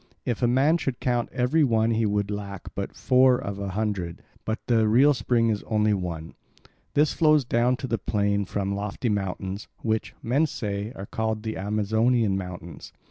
If a man should count every one he would lack but four of a hundred, but the real spring is only one. This flows down to the plain from lofty mountains, which, men say, are called the Amazonian mountains.